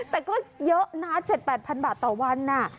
แต่ก็เยอะนะ๗๘๐๐บาทต่อวัน